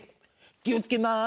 気を付けます。